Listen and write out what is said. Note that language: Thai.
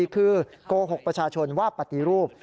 คือโกหกประชาชนว่าปฏิรูป